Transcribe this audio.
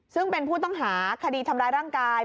ซึ่งเป็นผู้ต้องหาคดีทำร้ายร่างกาย